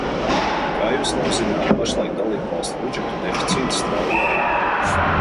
Kā jūs labi zināt, pašlaik dalībvalstu budžetu deficīti strauji aug.